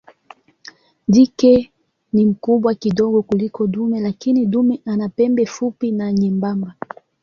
Jike ni mkubwa kidogo kuliko dume lakini dume ana pembe fupi na nyembamba.